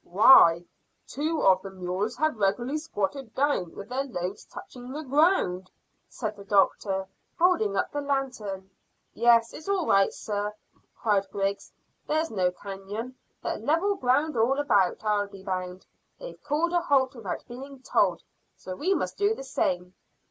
"Why, two of the mules have regularly squatted down, with their loads touching the ground," said the doctor, holding up the lanthorn. "Yes, it's all right, sir," cried Griggs. "There's no canon, but level ground all about, I'll be bound. They've called a halt without being told, so we must do the same."